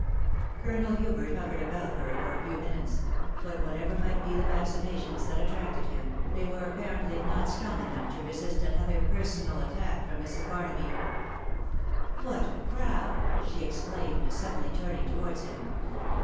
Colonel Hubert hovered about her for a few minutes ; but whatever might be the fascinations that attracted him, they were apparently not strong enough to resist another personal attack from Mrs. Barnaby. " What a crowd !" she exclaimed, suddenly turning towards him.